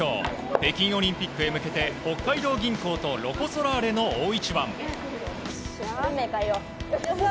北京オリンピックへ向けて北海道銀行とロコ・ソラーレの大一番。